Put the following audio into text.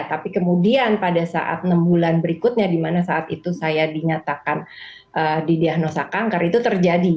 tapi kemudian pada saat enam bulan berikutnya di mana saat itu saya dinyatakan didiagnosa kanker itu terjadi